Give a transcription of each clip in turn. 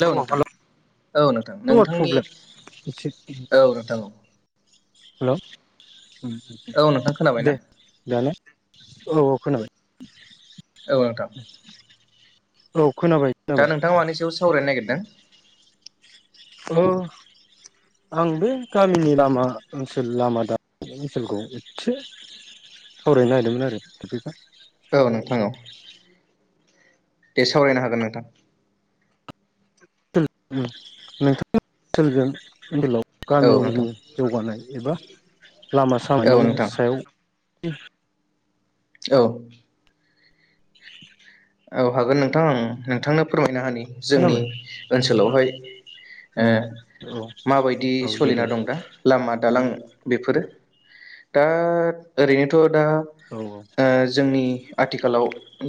Hello अ नोंथां। Hello औ नोंथां बहुद नोंथांनि प्रब्लेम औ नोंथां औ। हेलौ औ नोंथां खोनाबायना दे दालाय। औ औ खोनाबाय। औ नोंथां। औ। खोनाबाय दा खोनाबाय नोंथाङा मानि सायाव सावरायनो नागिरदों। अ आं बे गामिनि लामा ओनसोल लामा दा ओनसोलखौ एसे सावरायनो नागिरदोंमोन आरो टपिकआ। औ नोंथां औ। दे सावरायनो हागोन नोंथां। नोंथांनि ओनसोलजों ओनसोलाव औ गामिनि नोंथां जौगानाय एबा लामा सामानि औ नोंथां सायाव [inaudible] औ। [inaudible] औ हागोन नोंथांं नोंथांनो फोरमायना होनि जोंनि खोनाबाय ओनसोलावहाय औ ओ औ माबायदि औ दे सोलिना दे दं दा लामा औ दालां बेफोरो दा ओरैनोथ' दा औ ओ जोंनि आथिखालाव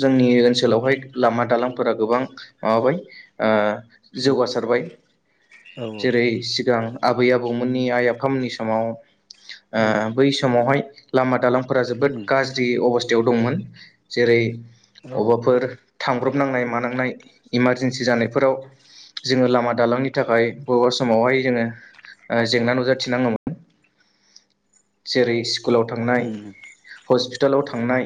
जोंनि ओन बेवहाय लामा दालांफोरा गोबां माबाबाय ओ जौगासारबाय औ जेरै सिगां आबै-आबौमोननि आइ आफामोननि समाव ओ बै समावहाय लामा दालां फोरा जोबोद गाज्रि अबस्थायाव दंमोन जेरै औ। अबावबाफोर थांब्रबनांनाय मानांनाय इमारजेन्सि जानायफोराव जोंङो लामा दालांनि थाखाय बबेबा समावहाय जोङो ओ जेंना नुजाथिनांङोमोन। जेरै स्कुलाव थांनाय हसपिट पिटालाव थांनाय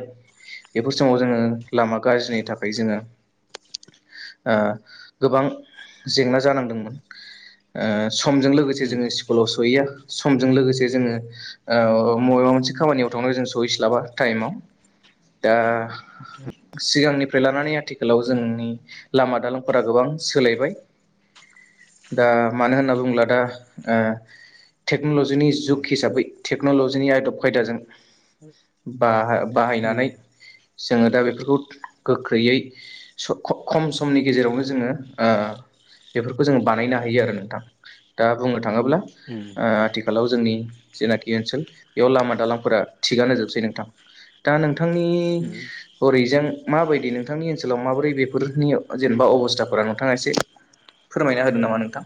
बेफोर समाव जोङो लामा गाज्रिनि थाखाय जोङो ओ गोबां जेंना जानांदोंमोन ओ समजों लोगोसे जोङो स्कुलाव सहैया समजों लोगोसे जोङो ओ मबेबा मोनसे खामानियाव थांनाय जों सहैस्लाबा टाइमाव दा सिगांनिफ्राय लानानै आथिखालाव जोंनि लामा दालांफोरा गोबां सोलायबाय। [inaudible] दा मानो होनना बुङला दा ओ टेक्न'लजनि जुग हिसाबै टेक्न'लजिनि आदब खायदाजों औ औ बा-बाहायनानै जोङो दा बेफोरखौ गोख्रैयै स ख-खम समनि गेजेरावनो जोङो ओ बेफोरखौ जोंङो बानायनो हायो आरो नोंथां दा बुङो थांङोब्ला उम ओ आथिखालाव जोंनि सिनाखि बेयाव लामा दालांफोरा थिगानो जोबसै नोंथां। दा नों थांनि उम हरैजों माबायदि नोंथांनि ओनसोलाव माबोरै बेफोरनि जेनेबा अबस्थाफोरा नोंथांङा एसे फोरमायना होदों नामा नोंथां?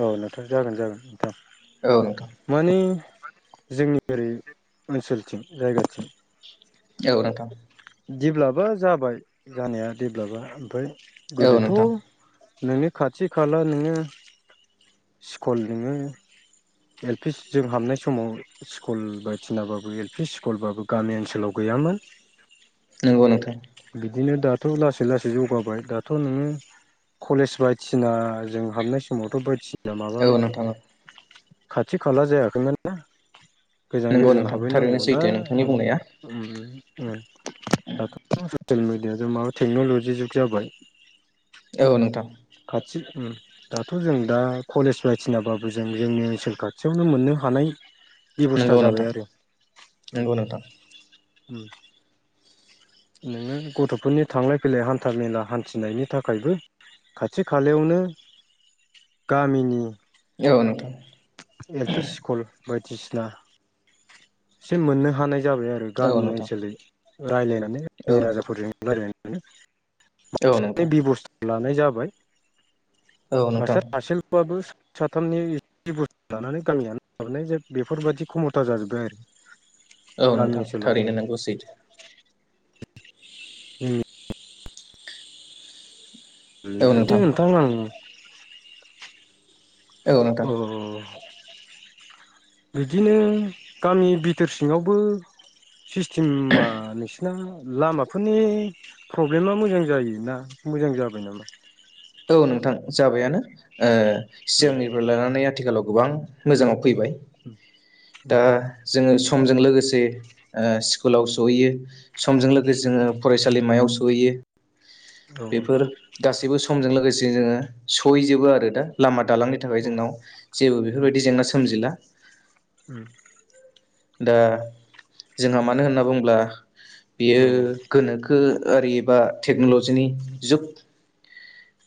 औ नोंथां जागोन जागोन नोंथां नोंथां माने जोंनि जेरै ओनसोलथिं जायगाथिं औ नोंथां। जिब्लाबो जाबाय जानाया जेब्लाबो ओमफ्राय औ गोदोथ' नोंथां नोंनि खाथि खाला नोङो स्कुल दंङो। एल पि जों हाबनाय समाव स्कुल बायदिसिनाबाबो एल पि स्कुलबाबो गामि ओनसोलाव गै गैयामोन। नोंगौ नोंथां। बिदिनो दाथ' लासै लासै जौगाबाय दाथ' नोङो कलेज बायदिसिना जों हाबनाय समावथ' बायदिसि ना माबा औ नोंथां खाथि खाला जायाखैमोन ना? गोजान नंगौ गोजान नोंथां थारैनो हाबहैनांगौमोन ना? सैथो नोंथांनि बुंनाया उम उम उम दाथ' ससियेल मिडियाजों माबा टेक्न'लजि जुग जाबाय। औ नोंथां खाथि उम दाथ' जों दा कलेज बायदिसिनाबाबो जों जोंनि ओनसोल खाथियावनो मोननो हानाय बेब'स्था नंगौ जाबाय नोंथां आरो उम नंगौ उम नोंथां उम। नोंङो गथफोरनि थांलाय फैलाय हान्था मेला हान्थिनायनि थाखायबो खाथि खालायावनो गामिनि औ औ नोंथां। एल पि स्कुल बायदिसिना एसे मोननो हानाय जाबाय आरो औ गामि नोंथां ओनसोलै रायलायनानै औ रायजो नोंथां। राजाफोरजों रायलायना। औ [unintelligible] नोंथां बेबस्था लानाय जाबाय। औ नोंथां मासतार सासेल' बाबो साथामनि एसे बुस्थु लानानै गामियानो माबानाय जे बेफोरबाददि खमथा जाजोबबाय आरो। औ गामि नोंथां ओनसोलाव थारैनो जोङो नोंगौ सैथो। उम। उम नोंथां आं औ नोंथां अ। बिदिनो गामि बिथोर सिङावबो [unintelligible] दा लामाफोरनि प्रब्लेमा मोजां जायोना मोजां जाबाय नामा? औ नोंथां जाबायानो ओ उम सिगांनिफ्राय लानानै आथिखालाव गोबां मोजाङाव फैबाय उम दा जोङो स समजों लोगोसे ओ स्कुलाव सहैयो समजों लोगोसे जोङो उम फरायसालिमायाव स सहैयो औ बेफोर गासिबो समजों लोगोसे जोङो सहैजोबो आरो दा लामा दालांनि थाखाय औ जोंनाव जेबो उम बेफोरबायदि जेंना सोमजिला। उम दा जोंहा उम मानो होनना बुंब्ला बियो औ गोनोखो आरि बा टेक्नलजिनि जुग।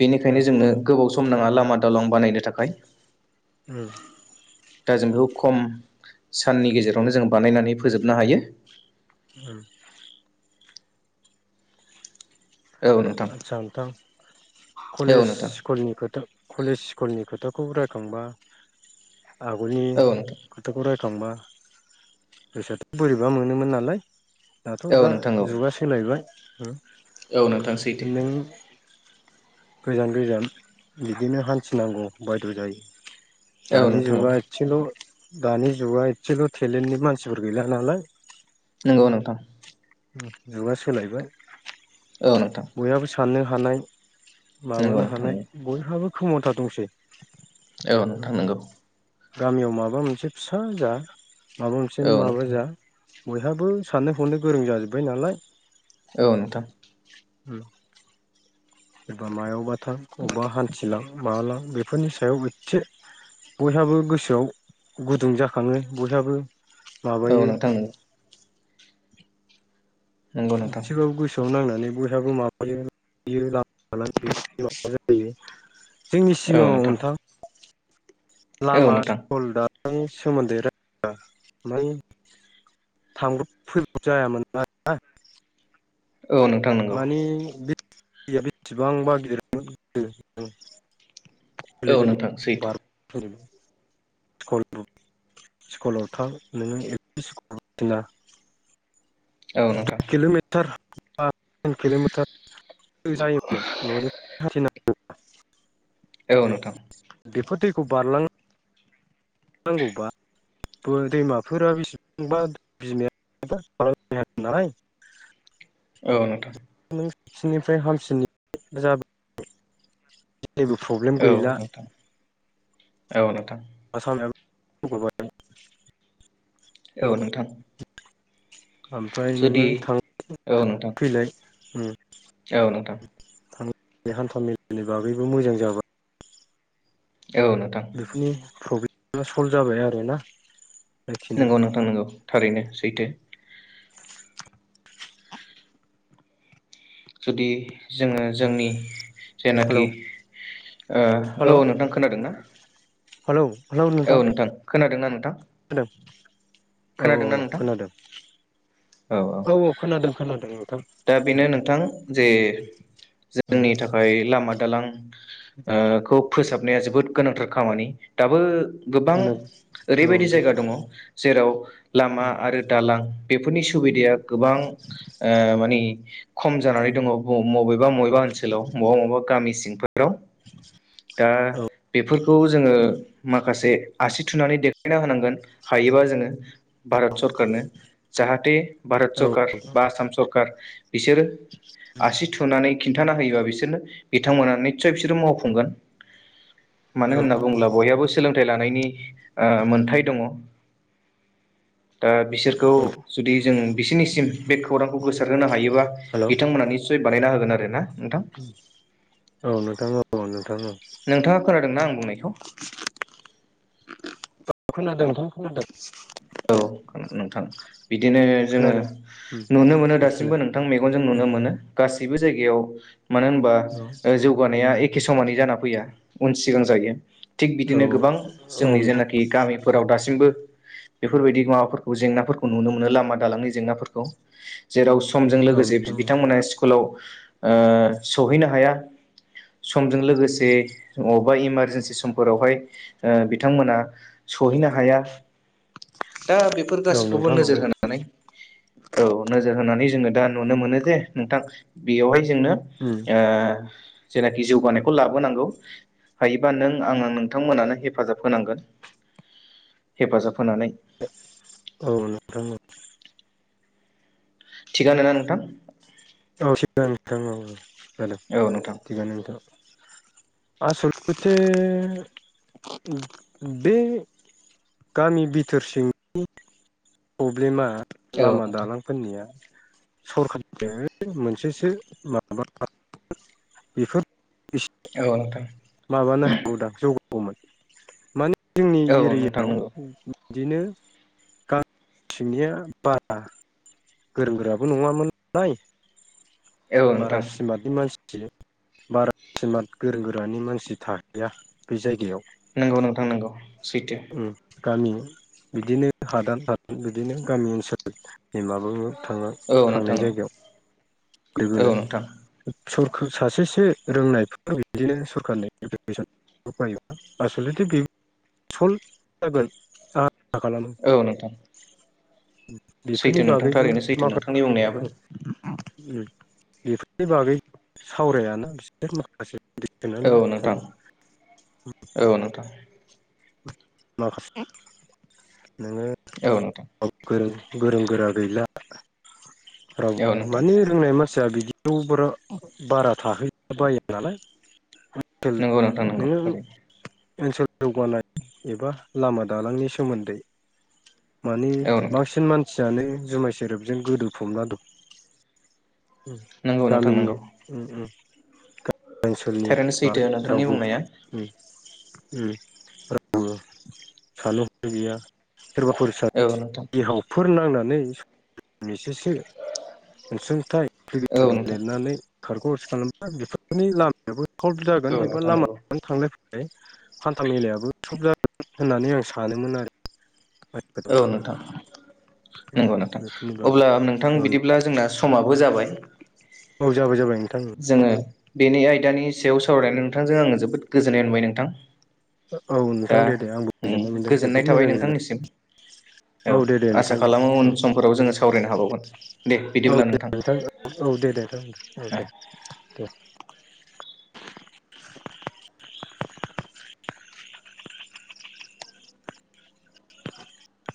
बेनिखायनो उम जोंनो गोबाव सम नाङा लामा दालां बानायनो थाखाय। उम दा जों बेखौ खम साननि गेजेरावनो जों बानायनानै फोजोबनो हायो। उम औ नोंथां आतसा नोंथां औ कलेज नोंथां स्कुलनि‌ खोथा कलेज स्कुलनि खोथाखौ रायखांबा आगोलनि औ नोंथां खोथाखौ राय खांबा‌ गोसोआथ‌' बोरैबा मोनोमोन नालाय। दाथ' औ दा नोंथां औ जुगा सोलायबाय उ। औ नोंथां सैथो। गोजान गोजान बिदिनो हान्थिनांगौ बायद' जायो। औ दानि नोंथां औ जुगा‌ एदसेल' दानि जुगा एदसेल टेलेन्टनि मानसिफोर गैला नालाय। नोंगौ नोंथां। उ जुगा सोलायबाय। औ नोंथां। बयहाबो साननो हानाय नंगौ माबानो नोंथां हानाय बयहाबो खोम'था दंसै। औ नोंथां नोंगौ। गामियाव माबा मोनसे फिसा जा माबा मोनसे औ माबा नोंथां जा बयहाबो साननो हनो गोरों जाजोब्बाय नालाय। औ नोंथां। उम एबा मायावबा थां अबेबा हान्थिलां माब लां बे बेफोरनि सायाव एदसे बयहाबो गोसोआव गुदुं जाखाङो बयहाबो औ माबायो नोंथां उम। नंगौ नोंथां एदसेबाबो गोसोआव नांनानै बयहाबो माबायो [inaudible] [inaudible] जायो जोंनि औ सिगाङाव नोंथां अनथां औ लामा नोंथां स्कल दानि सोमोन्दै [inaudible] आमफाय थांब्रब फैब्रब जायामोन ना। औ नोंथां नंगौ। दैया बेसेबांबा गिदिर [inaudible] [inaudible] औ नोंथां सैथो स्कुलाव थां नोङो एल पि स्कुलना औ नोंथां दुइ किल'मिटार बा थिन किल'मिटार जायोमोन न'निफ्राय हाथिना औ थाङोबा। नोंथां बेफोर दैखौ बारलांनो नांगौबा ब दैमाफोरा बेसेबांबा बिमायाया [inaudible] नालाय औ नोंथां। ससिनिफ्राय हामसिननि जाबाय जेबो प्रब्लेम औ गैला नोंथां औ नोंथां आसामब औ नोंथां ओमफ्राय नोङो जुदि औ नोंथां औ नोंथां फैनायाय बे हान्था मेलानि बागैबो मोजां जाबाय । औ नोंथां। प्रब्लेमा सल्भ जाबाय आरोना । नोंगौ नोंथां नांगौ थारैनो सैथो। जुदि जोङो जोंनि हेलौ जायनाखि हेलौ औ नोंथां खोनादोंना? हेलौ। औ नोंथां खोनादों ना नोंथां? हेल' औ औ खोनादोंना नोंथां खोनादों औ औ खोनादों खोनादों औ । दा बेनो नोंथां जे जोंनि थाखाय लामा दालां ओ खौ फोसाब नाया जोबोद गोनांथार खामानि दाबो गोबां खोनादों औ ओरैबायदि नोंथां जायगा दङ जेराव औ लामा आरो दालां बेफोरनि सुबिदाया गोबां माने खम जानानै दङ' बबेबा बबेबा ओनसोलाव बबेबा बबा गामि सिंफोराव [unintelligible] दा बेफोरखौ जोङो माखासे आसि थुनानै देखायना होनांगोन हायोबा जोङो भारत सरखारारनो जाहाथे भारत औ सरखारार बा आसाम सरखारार बिसोरो आसि थुनानै खिन्था होयोबा बिसोरनो बिथांमोना निस्सय बिसोरो मावफुंगोन मानो होनना औ बुंब्ला बयहाबो सों लानायनि मोनथाय दङ बिसोरखौ जुदि जों बिसोरनिसिम बे खौरांखौ गोसार होनोनो हायो ब्ला हेलौ बिथांमोना निसय बानायना होगोन आरो ना। नोंथां औ नोंथां औ नो नोंथाङा खोनादोंना आं बुंनायखौ खोनादों नोंथां खोनादों। औ नोंथां। बिदिनो खोनादों जोङो नुनो मोनो औ दासिमबो नोंथां मेगनजों नुनो मोनो गासिबो गासैबो जायायाव मानो होनबा जौानाय एखे एखे समानै जाना फैया उन सिगां जायो। थिग बिदिनो ।गोबां जोंनि नोंथां जेनाखि गामिफोराव दासिमबो बेफोरबायदि माबाफोरखौ जेंनाफोरखौ नुनो मोनो। लामा दालांनि जेंनाफोरखौ जेराव समजों लोगोसे बिथांमोनहा स्कुलाव ओ सहैनो हाया। समजों लोगोसे अ बा इमारजेेनसि समफोरावहाय बिथांमोना, सहैनो हाया दा बेफोर औ नोंथां गासैखौबो औ नोजोर होनानै औ नोजोर होनानै जोङो दा नुनो, मोनो जे नोंथां बेयावहा जोंनो जेनाखि जौगानायखौ लाबोनांगौ। हायोबा नों आं नोंथांमोनानो हेफाजाब होनांगोन। हेफाजाब होनानै औ नोंथां थिगानो ना नोंथां? थिगानो नोंथां औ औ खोनादों औ नोंथां थिगानो नोंथां। आसलथ बे गामि बिथोर सिंनि प्रब्लेमा औ लामा नोंथां दालांफोरनिया? सरखार मोनसेसो माबा बेफोर एसे माबानो हागौ दा जौगागौमोन मोन जोंनि औ नोंथां औ नोंथां एरियायाव नंगौ बिदिनो गा सिंनिया बारा गोरों गोराबो नङामोनालाय? औ बारा नोंथां सिमार्नि मानसि सिमार्ट गोरों गोरानि मानसि थाहैया । बे जायगायाव नंगौ नोंथां नोंगौ। गामि बिदिनो हादान हादान बिदिनो गामि ओनसोल माब थां औ नोंथां थांनाय जायगायाव औ लोगो नोंथां सख सासेसो रोंनायफोर बिदिनो सरखारारनि एप्केसन आसलथे बे सल जागोन। आसा खालामो औ नोंथां। बेफोरनि सैथो नोंथां बागैबो थारैनो सैथो नोंथांनि माखासे बुंनायाबो बेफोरनि बागै सावरायाना? बिसोर माखासे औ गोदोसोनानै नोंथां थायो औ नोंथां। मा नोङो औ नोंथां गोरों गोरों गोरा गैला। राव औ नोंथां माने रोंनाय मानसिया बिदि जौ बारा थाहैला बाया नालाय? नोंगौ नोंथां नोङो थारैनो। ओनसोल जौगानाय एबा लामा दालांनि सोमोन्दै माने औ नोंथां बांसिन मानसियानो जुमाय सेरेबजों गोदोफबना दं। नंगौ नोंथां गामिनि नंगौ ओम उम गामि ओनसोलनि थारैनो सैथो बै नोंथांनि रावबो बुंनाया उम रावबो साननो ह नो गैया। सोरबाफोरसा औ नोंथां बिहावफोर नांनानै एसेसो अनसुंथाइस औ नोंथां लिरनानै खारखरस खालामा बेफोरनि लामायाबो सल्भ जागोन औ एबा नोंथां लाम नंगौ थांलायै हान्था मेलायाबो सब जागोन होननानै आं सानोमोन आरो। औ नोंथां नंगौ नोंथां बेफोरनि बागै ।अब्ला नोंथां नंगौ बिदिब्ला जोंना सम- समाबो जाबाय औ जाबाय जाबाय नोंथां जोङो बेनि आइ बिदानि सायाव सावरायनानै नोंथांजों आङो जोबोद गोजोननाय मोनबाय नोंथां। औ दा नोंथां दे दे आंबो गोजोननाय मोनदों जोबोद गोजोननाय मोजां थाबाय गोजोननाय नोंथांनिसिम। औ दे दे आसा नोंथां दे खालामो औ उन समफोराव जोङो सावरायनो हाबावगो। औ दे नोंथां औ औ दे दे नोंथां औ दे दे [inaudible]